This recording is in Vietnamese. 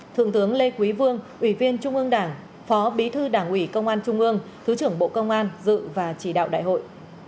thượng tướng lê quý vương ủy viên trung ương đảng phó bí thư đảng ủy công an trung ương thứ trưởng bộ công an dự và chỉ đạo đại hội